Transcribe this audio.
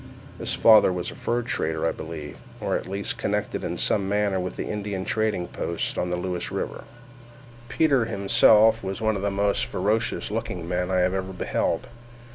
His father was a fur trader, I believe, or at least connected in some manner with the Indian trading posts on Lewis river. Peters himself was one of the most ferocious looking men I ever beheld.